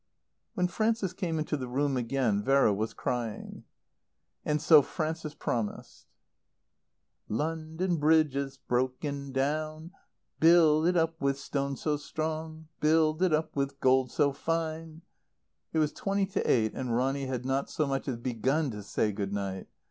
When Frances came into the room again Vera was crying. And so Frances promised. "'London Bridge is broken down (Ride over My Lady Leigh!) "'Build it up with stones so strong "'Build it up with gold so fine'" It was twenty to eight and Ronny had not so much as begun to say Good night.